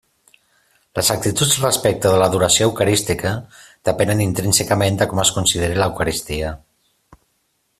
Les actituds respecte de l'adoració eucarística depenen intrínsecament de com es consideri l'Eucaristia.